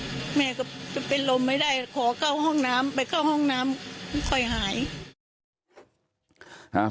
ขอเข้าห้องน้ำไปเข้าห้องน้ำค่อยหาย